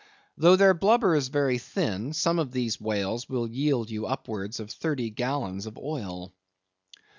Though their blubber is very thin, some of these whales will yield you upwards of thirty gallons of oil.